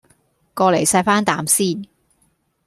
過黎錫返啖先